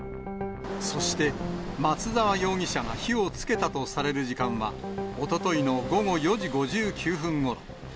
そして、松沢容疑者が火をつけたとされる時間は、おとといの午後４時５９分ごろ。